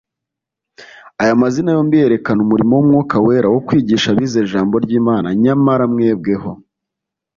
Aya mazina yombi yerekana umurimo w'Umwuka Wera wo kwigisha abizera Ijambo ry'Imana Nyamara mwebweho,